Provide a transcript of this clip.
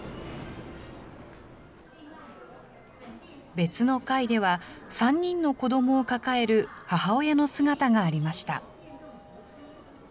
別の階では、３人の子どもを抱える母親の姿がありました。